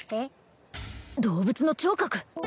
動物の聴覚！